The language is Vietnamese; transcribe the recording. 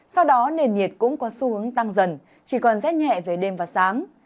sau đó nền nhiệt cũng có xu hướng tăng dần chỉ còn rét nhẹ về đêm và sáng